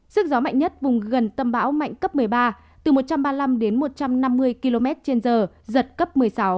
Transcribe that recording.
sức gió mạnh nhất vùng gần tâm bão mạnh cấp một mươi ba từ một trăm ba mươi năm đến một trăm năm mươi km trên giờ giật cấp một mươi sáu